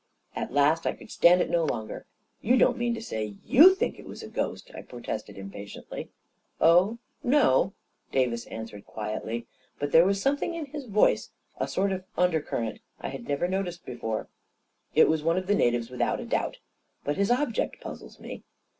At last I could stand it no longer. " You don't mean to say you think it was a ghost I " I protested impatiently. " Oh, no," Davis answered quietly ; but there was something in his voice — a sort of undercurrent — I had never noticed there before. " It was one of the natives without # doubt. But his object puzzles me.